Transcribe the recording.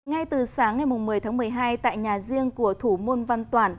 ngay từ sáng ngày một mươi tháng một mươi hai tại nhà riêng của thủ môn văn toản